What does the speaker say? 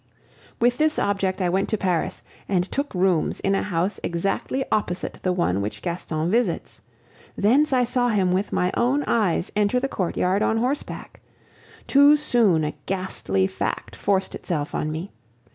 With this object I went to Paris and took rooms in a house exactly opposite the one which Gaston visits. Thence I saw him with my own eyes enter the courtyard on horseback. Too soon a ghastly fact forced itself on me.